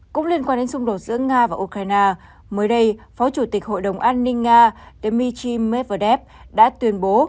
cũng liên quan đến xung đột giữa nga và ukraine mới đây phó chủ tịch hội đồng an ninh nga dmitry medvedev đã tuyên bố